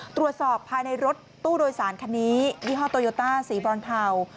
ตรวจสอบภายในรถตู้โดยสารคันนี้ยี่ห้อโตโยต้าสีบรอนเทา